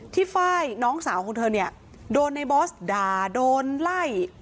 ไฟล์น้องสาวของเธอเนี่ยโดนในบอสด่าโดนไล่